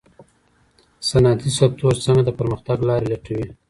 صنعتي سکتور څنګه د پرمختګ لاري لټوي؟